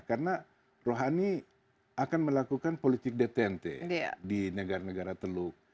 karena rouhani akan melakukan politik detente di negara negara teluk